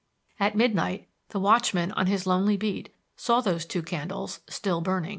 At midnight the watchman on his lonely beat saw those two candles still burning.